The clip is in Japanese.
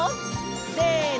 せの！